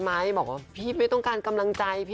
ไม่ต้องการติดต่างใจ